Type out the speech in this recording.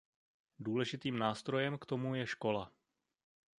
Důležitým nástrojem k tomu je škola.